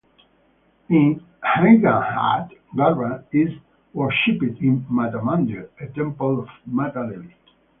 In Hinganghat, Garba is worshipped in Mata Mandir, "a temple of Mata Devi".